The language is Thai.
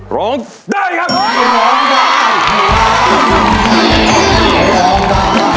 ร้องได้ครับ